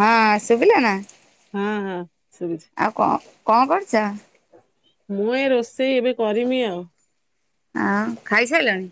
ହଁ ଶୁବିଲା ନା? ହଁ ହଁ ଶୁଭୁଛି ଆଉ କଁ କଣ କରୁଚ? ମୁଁ ଏଇ ରୋଷେଇ ଏବେ କରିମି ଆଉ। ଆଉ ଖାଇସାଇଲଣି?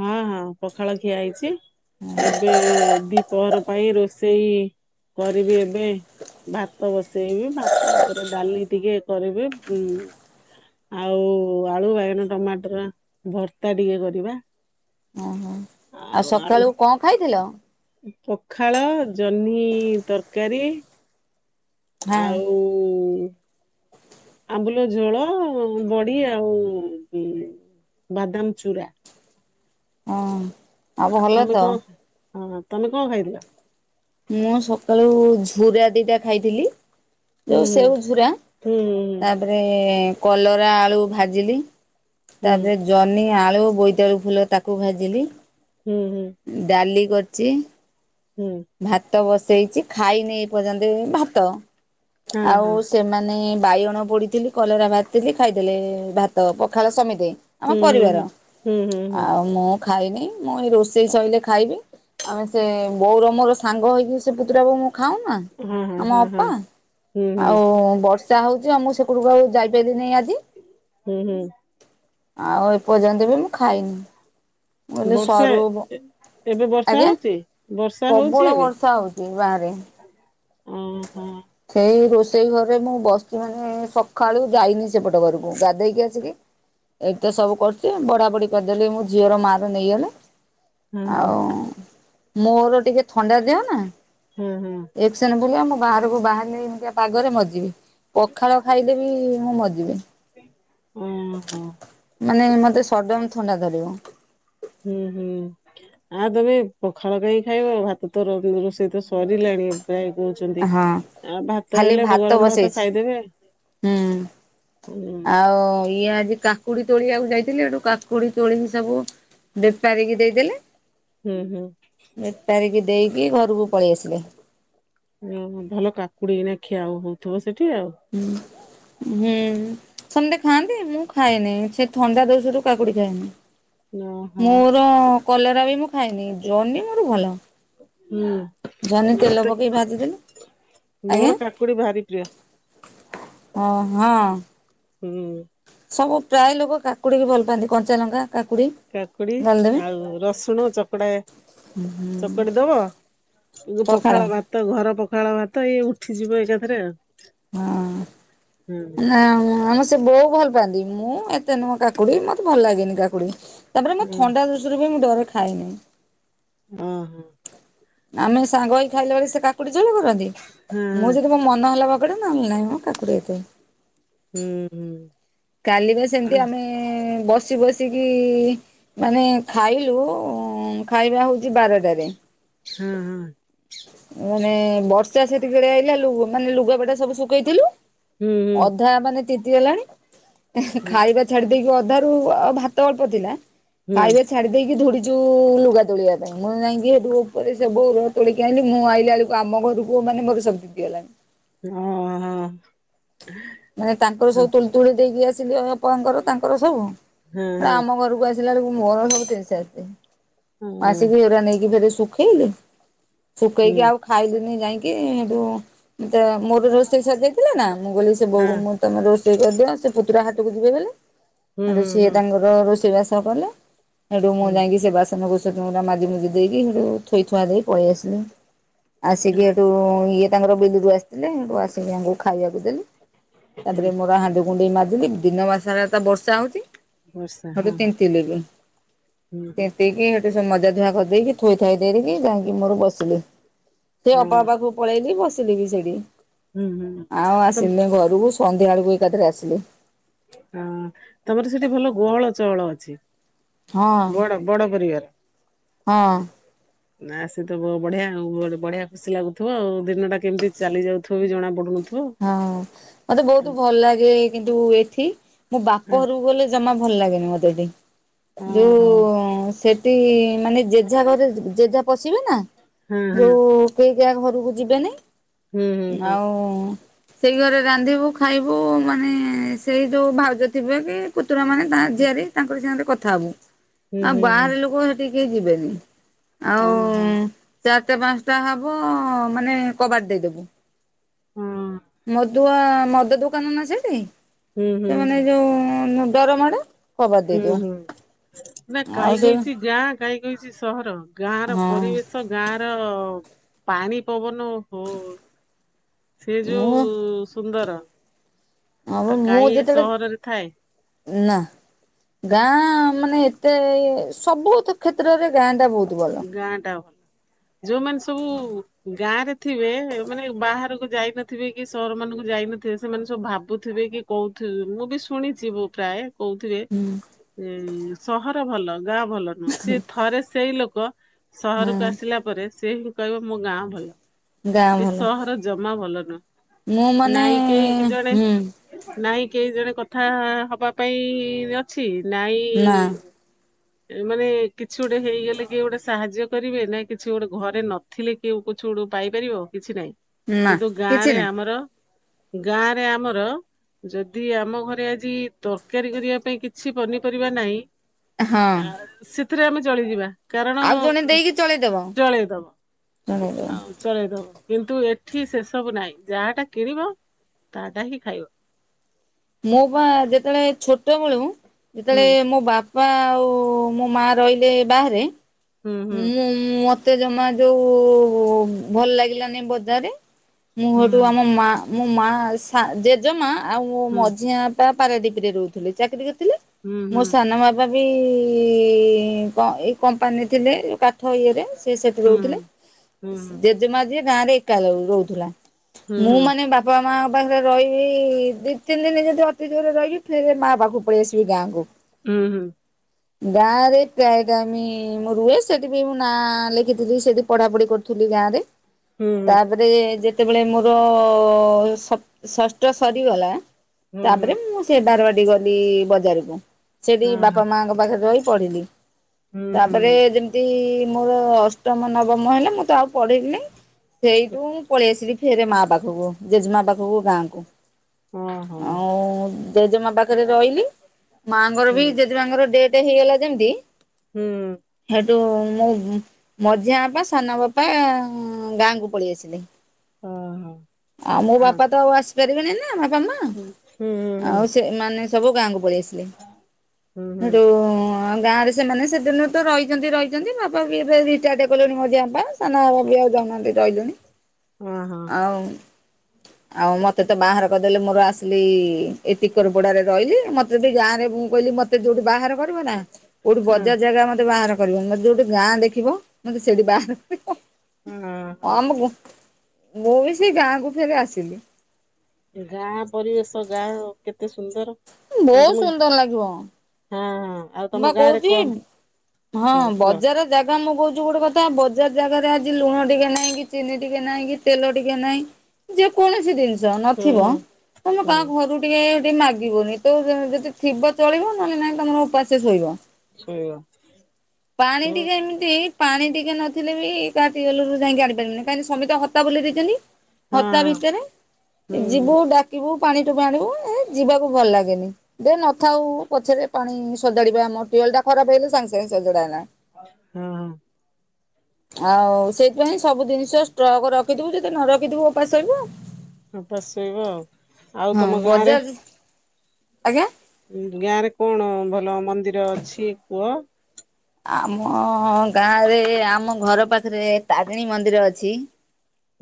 ହଁ ହଁ ପଖାଳ ଖିଆ ହେଇଛି ଏବେ ଦିପହର ପାଇଁ ରୋଷେଇ କରିବି ଏବେ। ଭାତ ବସେଇବି ଭାତ ଓପରେ ଡାଲି ଟିକେ କରିବେ ଉଁ ଆଉ ଆଳୁ ବାଇଗଣ ଟମାଟର ଭର୍ତ୍ତା ଟିକେ କରିବା। ଓହୋ ଆଉ ସକାଳୁ କଣ ଖାଇଥିଲ? ପଖାଳ ଜହ୍ନି ତରକାରୀ ହଁ ଆଉ ଆମ୍ବୁଲ ଝୋଳ ବଡି ଆଉ ଉଁ ବାଦାମ ଚୂରା ଅଁ ଆ ଭଲ ତମେ ତ। କଣ ହଁ ତମେ କଣ ଖାଇଥିଲ? ମୁଁ ସକାଳୁ ଝୁରା ଦିଟା ଖାଇଥିଲି। ହୁଁ ଯୋଉ ସେଉଝୁରା ହୁଁ ତାପରେ କଲରା ଆଳୁ ଭାଜିଲି ତା ହୁଁ ଦେହରେ ଜହ୍ନି ଆଳୁ, ବୋଇତାଳୁ ଫୁଲ ତାକୁ ଭାଜିଲି। ହୁଁ ହୁଁ ଡାଲି କରଚି। ହୁଁ। ଭାତ ବସେଇଚି ଖାଇ ନେଇ ଏପର୍ଯ୍ୟନ୍ତ ବି ମୁଁ ଭାତ ହୁଁ ହଁ ଆଉ ହଁ। ସେମାନେ ବାଇଗଣ ପୋଡ଼ିଥିଲି କଲରା ଭଜିଥିଲି ଖାଇଦେଲେ ଭାତ ପଖାଳ ସମେତେ। ଆମ ହୁଁ ପରିବାର ହୁଁ ହୁଁ ହୁଁ ହୁଁ ହୁଁ ଆଉ ମୁଁ ଖାଇନି ମୁଁ ଏଇ ରୋଷେଇ ସଇଲେ ଖାଇବି ଆମେ ସେ ବୋଉର ମୋର ସାଙ୍ଗ ହେଇକି ସ୍ ସେ ପୁତୁରା ବୋଉ ମୁଁ ଖାଉ ନା ହଁ ଆମ ହଁ ହଁ ହଁ ଅପା। ହୁଁ ହୁଁ ଆଉ ବର୍ଷା ହୋଉଚି ଆଉ ମୁଁ ସେପଟକୁ ପା ଆଉ ଯାଇପାଇଲିନେଇ ଆଜି। ହୁଁ ହୁଁ। ଆଉ ଏ ପର୍ଯ୍ୟନ୍ତ ବି ମୁଁ ଖାଇନି। ମୁଁ କହିଲି ବର୍ଷା ସରୁ ଏ ଏବେ ବର୍ଷା ଆଜ୍ଞା। ହୋଉଚି ବର୍ଷ୍ ପ୍ରବଳ ବର୍ଷା ହୋଉଚି ବାହାରେ। ଓହୋ ସେଇ ରୋଷ୍ ସେଇ ଘରେ ମୁଁ ବସଚି ମାନେ ସଖାଳୁ ଯାଇନି ସେପଟ ଘରକୁ ଗାଧେଇକି ଆସିକି ଏତେ ସବୁ କରୁଚି ବଢାବଢି କରିଦେଲି ମୋ ଝିଅର ମାର ନେଇଗଲେ। ହଁ ହଁ ଆଉ ମୋର ଟିକେ ଥଣ୍ଡା ଦେହ ନା ହଁ ହଁ ଏକସେନେ ଫୁଲିଆ ମୁଁ ବାହାରକୁ ବାହାରିନେ ଏମିତିଆ ପାଗରେ ମରଯିବି। ପଖାଳ ଖାଇଦେବି ମୁଁ ମରଯିବି। ଅଁ ମାନେ ମତେ ସଡନ ଥଣ୍ଡା ଧରିବ। ହୁଁ ହୁଁ ଆଉ ତମେ ପଖାଳ କାଇଁ ଖାଇବ ଭାତ ତ ର ରୋଷେଇ ତ ସରିଲାଣି। ଫେବ୍ରାଇଟ। କହୁଛନ୍ତି ହଁ ଆ ଭାତ ଖାଲି ହେଲେ ଗରମ ଭାତ ବସେଇଛି ଖାଇଦେବେ। ହୁଁ ହୁଁ ଆଉ ଇଏ ଆଜି। କାକୁଡି ତୋଳିଆକୁ ଯାଇଥିଲେ ହେଟୁ କାକୁଡି ତୋଳି କି ସବୁ ବେପାରୀକି ଦେଇଦେଲେ। ହୁଁ ହୁଁ। ବେପାରୀ କିି ଦେଇକି ଘରକୁ ପଳେଇ ଆସିଲେ। ଉଁ ହୁଁ ଭଲ କାକୁଡି ଏଇନା ଖିଆ ହଉଥିବ ସେଠି ଆଉ। ହୁଁ ସେମତେ ଖାଆନ୍ତି ମୁଁ ଖାଏନି ସେ ଥଣ୍ଡା ଦୋଷରୁୁ କାକୁଡି ଖାଏନି। ଓହୋ। ମୋର କଲରା ବି ମୁଁ ଖାଇନି ଜହ୍ନି ମୋର ଭଲ। ହୁଁ। ଜନି ତେଲ ମତେ ପକେଇ ଭାଜିଦେଲେ ମୋର ଆଜ୍ଞା। କାକୁଡି ଭାରି ପ୍ରିୟ ହ ହଁ। ହୁଁ। ସବୁ ପ୍ରାୟ ଲୋକ କାକୁଡ଼ିକି ଭଲ ପାଆନ୍ତି କଞ୍ଚା ଲଙ୍କା। କାକୁଡି କାକୁଡି ଡାଲିଦେବେ ଆଉ ରସୁଣ ଚକଡା। ଚକଟି ଦବ ଏ ଯୋଉ ପଖାଳ ଭାତ ଘର ପ ଖାଳ ଭାତ ଇଏ ଉଠିଯିବ ଏକାଥରେ ଆଉ। ହୁଁ ହଁ ନା ମୋର। ସେ ବୋଉ ଭଲ ପାଆନ୍ତି ମୁଁ ଏତେ ନୁଅ କାକୁଡି ମତେ ଭଲ ଲାଗେନି କାକୁଡି। ତାପରେ ମୋ ହୁଁ ଥଣ୍ଡା ଦୋଶରୁ ବି ମୁଁ ଡରେ ଖାଏନାଇ। ଅ ହଁ। ଆମେ ସାଙ୍ଗ ହେଇ ଖାଇଲା ବଳେ ସେ କାକୁଡ଼ି ଚୋବେଇ ପକାନ୍ତି ହଁ ହଁ ମୁଁ ଯଦି ମୋ ମନ ହେଲା ବ ଗୋଟେ ନେଏଲେ ନହିଁ ମୁଁ କାକୁଡ଼ି ଏତେ। ହୁଁ ହୁଁ। କାଲିିବା ଆ ସେମିତି ଆମେ ବସି ବସିକି। ମାନେ ଖାଇଲୁ ଖାଇବା ହଉ ଜି ବାରଟାରେ ହଁ ହଁ ମାନେ ବର୍ ର୍ଷା ସେତିକି ବେଳେ ଆଇଲା ଲୁ ମାନେ ଲୁଗାପଟା ସବୁ ଶୁଖେଇଥିଲୁ ହୁଁ ହୁଁ ଅଧା ମାନେ ତିତି ଗଲାଣି। ହୁଁ ଖାଇବା ଛାଡି ଦେଇକି ଅଧାରୁ ଆଉ ଭାତ ଅଳ୍ପ ଥିଲା ହୁଁ ଖାଇବା ଛାଡି ଦେଇକି ଧୌଡୀ। ଯୋଉ ଲୁଗା ତୋଳିବା ପାଇଁ ମୁଁ ଯାଇଁକି ସେଠୁ ଉପରେ ସବୁ ଲୁଗା ତୋଳିକି ଆଣିଲି ମୁଁ ଆଇିଲା ବେଳକୁ ଆମ ଘରକୁ। ମାନେ ମୋର ସବୁ ତିତି ଗଲାଣି। ହଁ ଆଁ ହା। ମାନେ ତାଙ୍କର ସବୁ ତୁଳି ତୁଳି ଦେଇକି ଆସିଲି ଅପାଙ୍କର ତାଙ୍କର ସବୁ ବେଳେ ହଁ ଆମ ଘରକୁ ଆସି। ସିଲା ବେଳୁକୁ ମୋର ସବୁ ତିନତି ସାରି ଥିନି ହଁ ହଁ ଆସିକି ଏଗୁରା ନେଇକି ଫେରେ ଶୁଖେଇଲି। ହଁ ଶୁଖେଇକି ଆଉ ଖାଇଲିନି ଯାଇକି ସେଠୁେ ମତେ ମୋର ରୋଷେଇ ସରିଜାଇ ଥିଲା ନା ମୁଁ ଗଲି ‌। ସେଉଠୁ ବୋଉ ହଁ କୁ ମୁ କହିଲି ତମେ ରୋଷେଇ କରିଦିଅ ସେ ପୁତୁରା ହାଟ କୁ ଯିବେ ବେଲି ହୁଁ ସେଠୁ ସିଏ ହୁଁ ତାଙ୍କର ରୋଷେଇ ବାସ। ସ କଲେ ସେଠୁ ମୁଁ ହୁଁ। ଯାଇକି ସେ ବାସ ମନ କୁସନ ମାଜି ମୁଜି ଦେଇକି ସେଠୁ ଥୋଇ ଥୁଆ ଦେଇକି ପଳେଇ ଆସିଲି। ଆସିକି ହେଠୁ ଇଏ ତାଙ୍କର ବିଲୁରୁ ଆସିଥିଲେ ହେଠୁ ଆସିକି ଆଙ୍କୁ ଖାଇବାକୁ ଦେଲି। ହୁଁ ତାପରେ ମୋର ହାଣ୍ଡି କୁଣ୍ଡେଇ ମାଜିଲି ଦିନ ମାନ ସାରା ତ ବର୍ଷା ହଉଛି। ବର୍ଷା ସେଠୁ ହଁ ତିନ୍ତି ଲି ବି ହୁଁ ହୁଁ ତିନ୍ତି କିି ସେଠୁ ସେ ମଜା। ହା କରିଦେଇକି ଥୋଇଥାଇ ଦେଇିକି ଯାଇକି ମୋର ବସିଲି ସେ ହଁ ଅପା ଙ୍କ ପାଖକୁ ପଳେଇଲି ବସି। ଥିଲି ବି ସେଇଠି। ହୁଁ ହୁଁ ଆଉ ତୁମ୍। ଆସିଲି ଘରକୁ ସନ୍ଧ୍ୟା ବେଳକୁ ଏକା ଥରେ ଆଶିଲି। ହଁ ତମର ସେଠି ଭଲ ଗୋହଳ ଚହଳ ଅଛି। ହଁ ବଡ ବଡ ପରିବାର। ହଁ। ନା ସେ ତ ବ ବଢିଆ ବହୁତ୍ ବଢିଆ ଖୁସି ଲାଗୁଥିବ ଆଉ ଦିନଟା କେମିତି ଚାଲି ଯାଉଥିବ ବି ଜଣା ପଡୁନଥିବ। ହଁ ମତେ ବହୁତ ହଁ ଭଲ ଲାଗେ କିନ୍ତୁ ଏଠି ମୁଁ ହଁ ବାପ ଘରକୁ ଗଲେ ଜମା। ଭଲ ଲାଗେନି ମତେ ଏଠି ଯୋଉ ହଁ ହଁ ସେଠି ମାନେ ଜେଝା ଘରେ ଜେଜା ପଶିବେ ନା ହଁ। ଯୋଉ କେହି ଜା ଘରକୁ ହୁଁ ହୁଁ ଯିବେନେଇ। ହୁଁ ଆଉ ସେଇ ଘରେ ରାନ୍ଧିବୁ ଖାଇବୁ ମାନେ ସେଇ ଯୋଉ ଭାଉଜ ଥିବେ କି ପୁତୁରା ମାନେ ତା ହୁଁ ଝିଆରି ତାଙ୍କରି ସାଙ୍ଗରେ କଥା ହବୁ। ହୁଁ ଆଉ ହୁଁ ବାହାର ଲୋକ ସେଠିକି କି ଯିବେନି ଆଉ ଓହୋ ହଁ। ଚା ଚା ପାଞ୍ଚଟା ହବ ମାନେ କବାଟ ଦେଇଦବୁ। ଦୁଆ ମଦ ଦୋକାନ ନା ସେଠି ହୁଁ ହୁଁ ସେମାନେ ହୁଁ ଯୋଉ ଡରମାଡ଼େ। କବାଟ ହୁଁ ଦେଇଦେଉ। ହୁଁ। ନା କାହିଁକହିଛି ଗାଁ କାହିଁକହିଛି ସହର ଗାଁ ର ହଁ ପରିବେଶ ଗାଁ ର ପାଣି ପବନ ଓ ହୋ ସେ ଯୋଉ ସୁନ୍ଦର। ହଁପ ଆଉ ମୁଁ କାହିଁ ଏ ସହରରେ ଥାଏ ଯେତେବେଳେ ନା। ଗାଁ ମାନେ ଏତେ ସବୁତ କ୍ଷେତ୍ରରେ ଗାଁ ଟା ବହୁତ ଭଲ। ଗାଁ ଟା ଭଲ ଯୋଉମାନେ ସବୁ ଗାଁ ରେ ଥିବେ ମାନେ ବାହାରକୁ ଯାଇନଥିବେ କି ସର ମାନଙ୍କୁ ଯାଇନଥିବେ ସେମାନେ ସବୁ ଭାବୁଥିବେ କି କହୁଥିବେ ମୁଁ ବି ଶୁଣିଛି ବୋ ପ୍ରାୟ କହୁଥିବେ ହୁଁ। ସହର ଭଲ ଗାଁ ଭଲ ନୁହଁ ସେ ଥରେ ସେଇ ଲୋକ ଲୋକ ସହରକୁ ହୁଁ ଆସିଲା ପରେ ସେ ହିଁ କହିବ ମୋ ଗାଁ ଭଲ। ଗାଁ ଏ ଭଲ ସହର ଜମା ଭଲ ନୁହଁ। ମୁଁ ମାନେ ନାଇଁ କେହି କି ଜଣେ ହୁଁ ନାଇଁ କେହି ଜଣେ କଥା ହବା ପାଇଁ ଅଛି ନା ନାଇଁ ମାନେ କିଛି ଗୋଟେ ହେଇଗଲେ କିଏ ଗୋଟେ ସାହାଯ୍ୟ କରିବେ ନାଇଁ କିଛି ଗୋଟେ ଘରେ ନଥିଲେ କିଏଉ କିଛୁ ଡୁ ପାଇପାରିବ କିଛି ନାଇଁ। ନା କିନ୍ତୁ କିଛି ଗାଁରେ ନାହିଁ ଆମର ଗାଁରେ ଆମର ଯଦି ଆମ ଘରେ ଆଜି ତରକାରୀ କରିବା ପାଇଁ କିଛି ପନିପରିବା ନାହିଁ ହଁ ଆ ସେଥିରେ ଆମେ ଚଳିଯିବା। କାରଣ ଆଉ ଜଣେ ଦେଇକି ଚଳେଇଦବ ଚଳେଇଦବ ଚଳେଇଦବ ଆଉ ଚଳେଇଦବ। କିନ୍ତୁ ଏଠି ସେସବୁ ନାହିଁ ଯାହାଟା କିଣିବ ତାଟା ହିଁ ଖାଇବ। ମୋ ବା ଯେତେବେଳେ ଛୋଟବେଳୁ ହୁଁ ଯେତେବେଳେ ମୋ ବାପ ପା ଆଉ ମୋ ମା ରହିଲେ ବାହାରେ ହୁଁ ହୁଁ ମୁଁ ମ ତେ ଜମା ଯୋଉ ଭଲ ଲାଗିଲାନି ବଜାର ମୁହେଠୁ ଆମ ମା ମୋ ମା ସା ଜେଜେମା ଆଉ ମୋ ହୁଁ ମଝିଆ ବାପା ପାରାଦ୍ୱିପରେ ରହୁଥିଲେ ଚାକିରିୀ କେ ତିଲେ ହୁଁ ମୋ ସାନ ବାବା ବି ଇ କ ଏ କମ୍ପାନୀ ଥିଲେ ଉ କା ଇଏରେ ସେ ସେଠି ହୁଁ ହୁଁ ରହୁଥିଲେ ହୁଁ ଜେଜେମା ଯିଏ ଗାଁରେ ଏକା ର ରୋହୁଥିଲା। ହୁଁ ମୁଁ ହୁଁ ମାନେ ବାପା ମା ପାଖରେ ରହିବି ଦି ତିନି ଦିନ ଯଦି ଅତି ଯୋରେ ରହିବି ଫେରେ ମା ବାଖକୁ ପଳେଇ ଆସିବି ଗାଁକୁ। ହୁଁ ହୁଁ ହୁଁ ହୁଁ ଗାଁରେ ପ୍ରାୟ ଟାଇମି ମୁଁ ରୁହେ ସେଠି ବି ମୁଁ ନାଁ ଲେଖିଥିଲି ସେଠି ପଢ଼ାପଢି କରୁଥିଲି ଗାଁ ରେ। ହୁଁ ହୁଁ ତାପରେ ଯେତେବେଳେ ମୋର ସପ୍ ଷଷ୍ଠ ସରିଗଲା ହୁଁ ହୁଁ ତାପରେ ମୁଁ ସେ ବାରବାଡି ଗଲି ବଜାରକୁ। ସେଠି ହଁ ହଁ ବାପା ମାଙ୍କ ପାଖରେ ରହି ପଢିଲି ହୁଁ ହୁଁ ତାପରେ ଯେମିତି ମୋର ଅଷ୍ଟମ ନବମ ହେଲେ ମୁଁ ତ ଆଉ ପଢେଇବିିନି ସେଇଠୁ ମୁଁ ପଳେଇ ଆସିଲି ଫେରେ ମା ପାଖକୁ ଜେଜେମା ପାଖକୁ ଗାଁ କୁ। ଓହୋ ଆଉ ଜେଜେମା ପାଖରେ ରହିଲି ମାଙ୍କର ବି ଜେଜେମାଙ୍କର ଡେ ତେ ହେଇଗଲା ଯେମିତି ହୁଁ। ଉଁ ମୁଁ ମଝିଆ ବାପା ସାନ ବାପା ଗାଁକୁ ପଳେଇ ଆସିଲି। ଓହୋ ଆଉ ମୋ ହଁ ବାପା ତ ଆଉ ଆସିପାରିବେନି ନା ବମା ହୁଁ ହୁଁ ହୁଁ ଆଉ ସେ ମାନେ ସବୁ ଗାଁ କୁ ପଳେଇ ଆସିଲେ ହୁଁ ହୁଁ ଯୋଉ ଆଁ ଗାଁ ରେ ସେମାନେ ସେଦିନରୁ ତ ରହିଛନ୍ତି ରହିଛନ୍ତି ବାପା ବି ଏବେ ରିଟାର୍ଡ କଲେଣି ମୋଝିଆପା ସାନ ଆପା ବି ଆଉ ଯା ଉ ନହେଲେ ରହିଲୁନି। ଓ ହୋ। ଆଉ ମତେ ତ ବାହାର କହିଦେଲେ ମୋର ଆସିଲି ଏତିିକର ପୋଡାରେ ରହିଲି ମତେ ବି ଗାଁରେ ମୁଁ କହିଲି ମତେ ଯୋଉଠି ବାହାର ନା କୋଉଠି ହଁ ବଜାର ଜାଗା ମତେ ବାହାର କରିବ ମେ ଯୋଉଠି ଗାଁ ଦେଖିବ ମତେ ସେଇଠି ବାହାର କରିବ। ଓ ହୋ। ଆମକୁ ମୁଁ ମୁଁ ବି ସେଇ ଗାଁକୁ ଫେରି ଆସିଲି। ଗାଁ ପରିବେଶ ଗାଁ କେତେ ସୁନ୍ଦର? ଆଉ ତମ ବହୁତ ହଁ ସୁନ୍ଦର ଲାଗିବ। ହଁ ଆଉ ମୁଁ ପା ତମ ଗାଁରେ କହୁଛି କଣ ହଁ ହୁଁ କୁହ ବଜାର ଜାଗା ମୁଁ କହୁଛି ଗୋଟେ କଥା ବଜାର ଜାଗାରେ ଲୁଣ ଟିକେ ନାହିଁ କି ଚିନି ଟିକେ ନାହିଁ କି ତେଲ ଟିକେ ନାହିଁ ଯେକୌଣସି ଜିନିଷ ହୁଁ ନଥିବ ହୁଁ ତମେ ହୁଁ କାହା ଘରୁ ଟିକେ ସେ ମାଗିବୁନି ତ ଯଦି ଥିବ ଚଳିବ ନହେଲେ ନାଇଁ ତମର ଉପାସେ ଶୋଇବ। ସେଇଆ। ପାଣି ଟିକେ ଏମିତି ପାଣି ଟିକେ ନଥିଲେ ବି କାଲରୁ ଯାଇକି ଆଣିପାରିବନି କାହିଁକି ସମେତେ ତ ହତା ବୁଲି ଦେଇଛନ୍ତି। ହତା ହଁ ଭିତରେ ଯିବୁ ହୁଁ ଡାକିବୁ ପାଣି ଟୋପେ ଆଣିବୁ ଯିବାକୁ ଭଲ ଲାଗେନି ଦେ ନଥାଉ ପଛରେ ପାଣି ସଜାଡିବା ଆମର ଟି ଅଲଟା ଖରାପ ହେଲେ ସାଙ୍ଗେ ସାଙ୍ଗେ ସଜଡ଼ା ହେଲା। ହଁ ହଁ। ଆଉ ସେଇଥିପାଇଁ ସବୁ ଜିନିଷ ଷ୍ଟ୍ରକ ରଖିଥିବୁ ଯଦି ନ ରଖିଥିବୁ ଉପାସ ଶୋଇବୁ। ଓପାସେ ଶୋଇବ ଆଉ ଆଉ ହଁ ତମ ଗାଁ ରେ? ବଜାର ଆଜ୍ଞା? ଗାଁ ରେ କଣ ଭଲ ମନ୍ଦିର ଅଛି କୁହ? ଆମ ଗାଁ ରେ ଆମ ଘର ପାଖରେ ତାରିଣୀ ମନ୍ଦିର ଅଛି।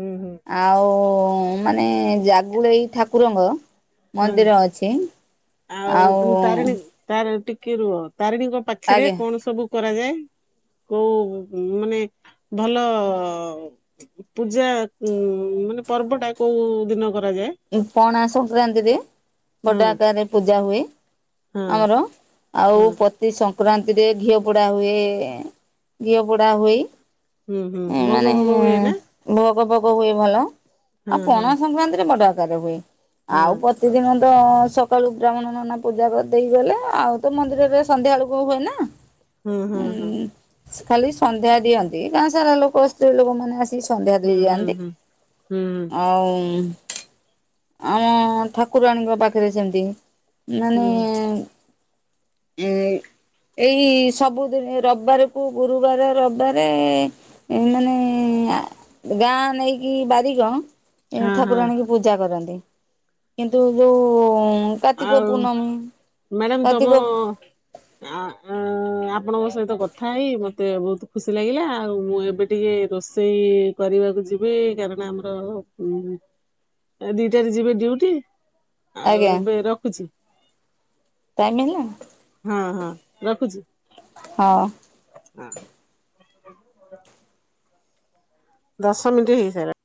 ହୁଁ ହୁଁ ଆଉ ମାନେ ଜାଗୁଳେଇ ଠାକୁରଙ୍କର ହୁଁ ମନ୍ଦିର ଅଛି ଆଉ ତମେ ତାରିଣୀ ତାର ଟିକେ ରୁହ ତାରିଣୀଙ୍କ ପାଖରେ ଆଜ୍ଞା କଣ ସବୁ କରାଯାଏ? କୋଉ ମାନେ ଭଲ ପୂଜା ଉ ପର୍ବଟା କୋଉ ଦିନ କରାଯାଏ? ପଣା ସଂକ୍ରାନ୍ତିରେ ହଁ ବଡ ଆକାରରେ ପୂଜା ହୁଏ। ହଁ ଆମର ହଁ ଆଉ ପତି ସଂକ୍ରାନ୍ତିରେ ଘିଅ ପୋଡା ହୁଏ ଘିଅ ପୋଡା ହୋଇ ହୁଁ ହୁଁ ଏ ଭୋଗ ମାନେ ଭୋଗ ହୁଏ ନା? ଭୋଗ ଫୋଗ ହୁଏ ଭଲ ଆଉ ହଁ ହଁ ପଣା ସଂକ୍ରାନ୍ତିରେ ବଡ ଆକାର ହୁଏ ଆଉ ହଁ ପ୍ରତିଦିନ ତ ସକାଳୁ ବ୍ରାହ୍ମଣ ନନା ପୂଜା ଦେଇଗଲେ ଆଉ ତ ମନ୍ଦିରରେ ସନ୍ଧ୍ୟା ବେଳକୁ ହୁଏ ନା। ହୁଁ ହୁଁ ହୁଁ। ଉଁ ଖାଲି ସନ୍ଧ୍ୟା ଦିଅନ୍ତି ଗାଁ ସାରା ଲୋକ ସ୍ତ୍ରୀ ଲୋକମାନେ ଆସି ସନ୍ଧ୍ୟା ହୁଁ ଦେଇ ହୁଁ ଯାଆନ୍ତି ହୁଁ ହୁଁ ଆଉ ଆମ ଠାକୁରାଣୀଙ୍କ ପାଖରେ ସେମିତି ମାନେ ହୁଁ ଏ ଏଇ ସବୁଦିନ ରବିବାରକୁ ଗୁରୁବାର ରବିବାର ମାନେ ଗାଁ ନେଇକି ବାରିିକ ହଁ ହଁ ଠାକୁରାଣୀ କି ପୂଜା କରନ୍ତି କିନ୍ତୁ ଯୋଉ କାର୍ତ୍ତିକ ଆଉ ପୂର୍ଣ୍ଣମୀ ମ୍ୟାଡ଼ାମ ତମ କାର୍ତ୍ତିକ ଅ ଅ ଆପଣଙ୍କ ସହିତ କଥା ହେଇ ମୋତେ ବହୁତ ଖୁସି ଲାଗିଲା ଆଉ ମୁଁ ଏବେ ଟିକେ ରୋଷେଇ କରିବାକୁ ଯିବି କାରଣ ଆମର ଦିଟାରେ ଯିବେ ଡିଉଟି। ଆଉ ଆଜ୍ଞା ଏବେ ରଖୁଛି ଟାଇମ ହେଲା? ହଁ ହଁ ରଖୁଛି। ହଁ। ହଁ। ଦଶ ମିନିଟ୍ ହେଇସାଇଲା